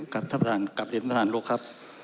ครับท่านประธานกลับเรียนประธานลูกครับ